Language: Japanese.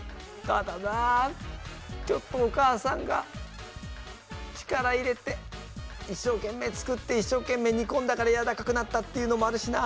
ただなあちょっとお母さんが力入れて一生懸命作って一生懸命煮込んだからやわらかくなったっていうのもあるしな。